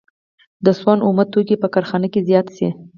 د سون اومه توکي په کارخانه کې زیات شي